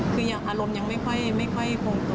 คืออารมณ์ยังไม่ค่อยคงตัว